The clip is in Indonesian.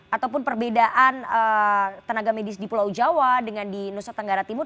ataupun perbedaan tenaga medis di pulau jawa dengan di nusa tenggara timur